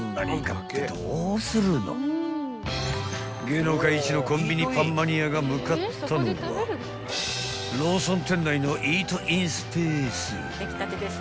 ［芸能界一のコンビニパンマニアが向かったのはローソン店内のイートインスペース］